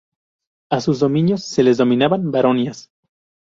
A sus dominios se les denominaban baronías.